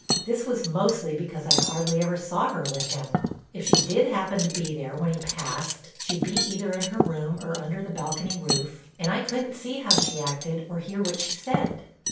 This was mostly because I hardly ever saw her with him. If she did happen to be there when he passed, she'd be either in her room or under the balcony roof and I couldn't see how she acted or hear what she said.